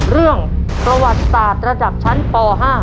เรื่องประวัติศาสตร์ระดับชั้นป๕